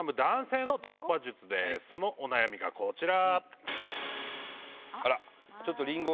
そのお悩みがこちら。